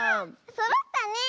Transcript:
そろったね！